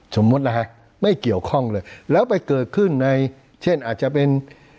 สมมุตินะฮะไม่เกี่ยวข้องเลยแล้วไปเกิดขึ้นในเช่นอาจจะเป็น